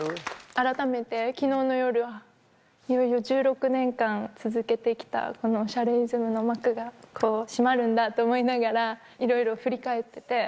あらためて昨日の夜はいよいよ１６年間続けて来たこの『おしゃれイズム』の幕がこう閉まるんだと思いながらいろいろ振り返ってて。